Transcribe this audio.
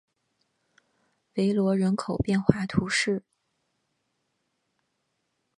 韦罗人口变化图示